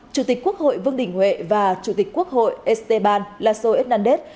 chủ tịch quốc hội vương đình huệ và chủ tịch quốc hội esteban lasso hernández